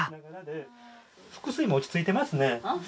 腹水も落ち着いてますね。